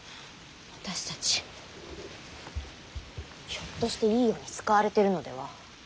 私たちひょっとしていいように使われてるのでは？